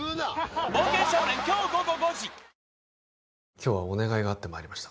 今日はお願いがあってまいりました